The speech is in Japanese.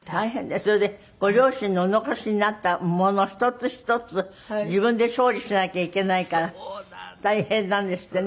それでご両親のお残しになったものを一つ一つ自分で処理しなきゃいけないから大変なんですってね。